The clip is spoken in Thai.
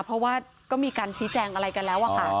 เพราะว่าก็มีการชี้แจงอะไรกันแล้วอะค่ะ